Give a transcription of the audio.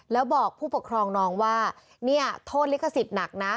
แล้วบอกผู้ปกครองน้องว่าเนี่ยโทษลิขสิทธิ์หนักนะ